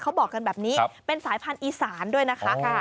เขาบอกกันแบบนี้เป็นสายพันธุ์อีสานด้วยนะคะ